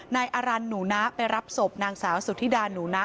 นายอารันหนูนะไปรับศพนางสาวสุธิดาหนูนะ